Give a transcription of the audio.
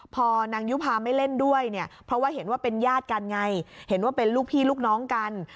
พอนางยุภาไม่เล่นด้วยเนี่ยเพราะว่าเห็นว่าเป็นญาติกันไงเห็นว่าเป็นลูกพี่ลูกน้องกัน